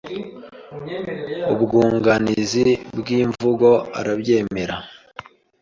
Ubwunganizi bw’imivugo arabyemera